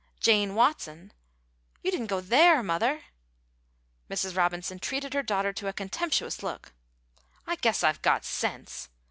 Jane Watson " "You didn't go there, mother!" Mrs. Robinson treated her daughter to a contemptuous look. "I guess I've got sense.